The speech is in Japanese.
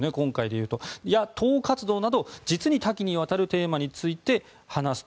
あと党活動など実に多岐にわたるテーマについて話すと。